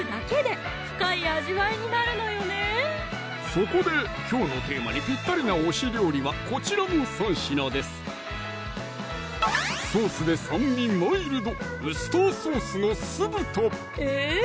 そこできょうのテーマにぴったりな推し料理はこちらの３品ですソースで酸味マイルドえっ！